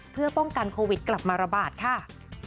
เพื่อป้องกันโควิดกลับมาระบาดค่ะ